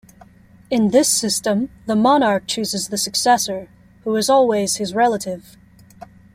In this system, the monarch chooses the successor, who is always his relative.